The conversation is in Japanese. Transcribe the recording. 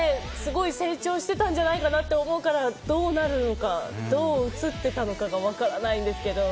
成長してたんじゃないかなって思うからどうなるのか、どう映っていたのかがわからないですけど。